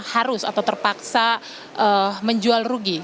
harus atau terpaksa menjual rugi